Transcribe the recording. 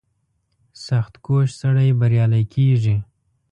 • سختکوش سړی بریالی کېږي.